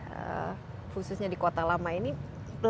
banyak proyek banyak konstruksi dan jalan jalan ini juga ada yang berguna ya